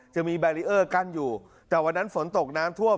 จะมีแบรีเออร์กั้นอยู่แต่วันนั้นฝนตกน้ำท่วม